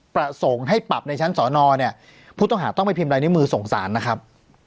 ประสงค์ให้ปรับในชั้นสอนอเนี่ยผู้ต้องหาต้องไปพิมพ์ลายนิ้วมือส่งสารนะครับ